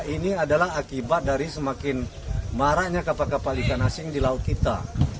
ini adalah akibat dari semakin maraknya kapal kapal ikan asing di laut kita